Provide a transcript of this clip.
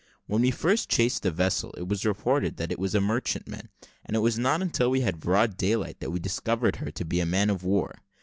When we first chased the vessel, it was reported that it was a merchantman; and it was not until we had broad daylight that we discovered her to be a man of war.